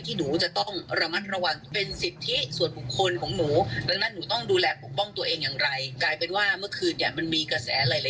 ไม่ใช่ว่าว่าบุ๋มเอามาปกป้องพี่นึงนะแต่สุดท้ายพี่ระบายอารมณ์นึงภาพออกใช่ไหม